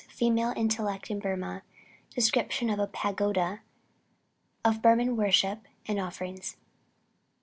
FEMALE INTELLECT IN BURMAH. DESCRIPTION OF A PAGODA, OF BURMAN WORSHIP AND OFFERINGS.